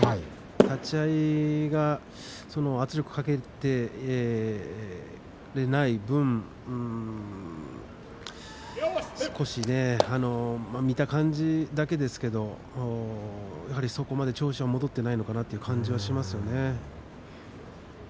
立ち合いが圧力をかけていない分少し見た感じだけですけれども調子は戻ってないのかなという感じがしますね。